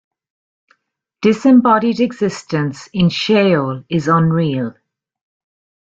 Disembodied existence in Sheol is unreal.